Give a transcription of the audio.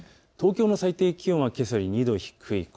東京の最低気温はけさより２度低い。